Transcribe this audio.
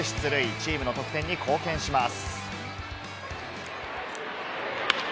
チームの得点に貢献します。